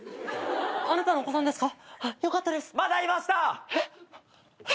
あなたのお子さんですか。